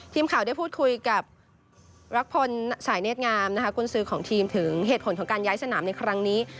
ทีมข่าวได้พูดคุยกับรักพลสายเนธงามนะคะกุญสือของทีมถึงเหตุผลของการย้ายสนามในครั้งนี้